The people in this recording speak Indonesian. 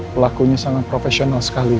pelakunya sangat profesional sekali